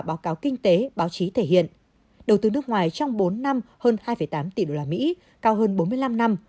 báo cáo kinh tế báo chí thể hiện đầu tư nước ngoài trong bốn năm hơn hai tám tỷ đô la mỹ cao hơn bốn mươi năm năm